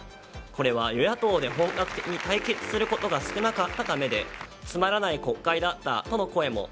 これは与野党で本格的に対決することが少なかったためでつまらない国会だったとの声も。